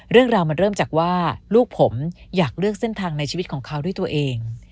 เรื่องราวมันเริ่มจากว่าลูกผมอยากเลือกเส้นทางในชีวิตของเขาด้วยตัวเอง